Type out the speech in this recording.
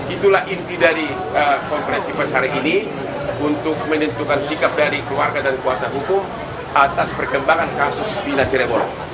itulah inti dari konferensi pers hari ini untuk menentukan sikap dari keluarga dan kuasa hukum atas perkembangan kasus pina cirebon